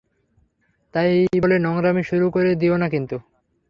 তাই বলে নোংরামি শুরু করে দিও না কিন্তু।